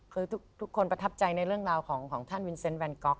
คือทุกคนประทับใจในเรื่องราวของท่านวินเซนต์แวนก๊อก